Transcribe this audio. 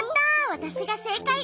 わたしがせいかい。